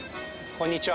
こんにちは。